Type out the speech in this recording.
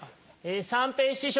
三平師匠！